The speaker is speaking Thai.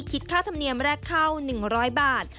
คิดค่าธรรมเนียมแรกเข้า๑๐๐บาท